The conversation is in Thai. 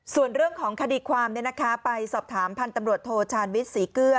ส่วนเรื่องของคดีความไปสอบถามพันธุ์ตำรวจโทชาญวิทย์ศรีเกลือ